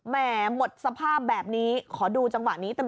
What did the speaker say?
หมดสภาพแบบนี้ขอดูจังหวะนี้เต็ม